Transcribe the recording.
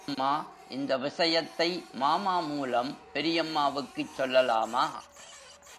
அம்மா, இந்த விசயத்தை மாமா மூலம் பெரியம்மாவுக்குச் சொல்லலாமா?